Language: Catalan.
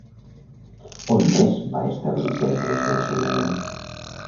On més va establir centres d'ensenyament?